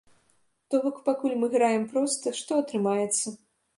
То бок, пакуль мы граем проста, што атрымаецца.